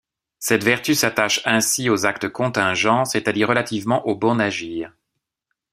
Cette vertu s'attache ainsi aux actes contingents, c'est-à-dire relativement au bon agir.